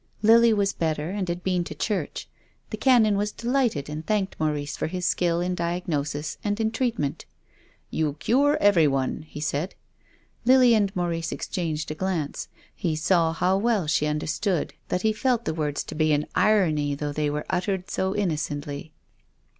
Lily was better and had been to church. The Canon was delighted and thanked Maurice for his skill in diagnosis and in treatment. " You cure everyone," he said. Lily and Maurice exchanged a glance. He saw how well she understood that he felt the 200 TONGUES OF CONSCIENCE. words to be an irony though they were uttered so innocently.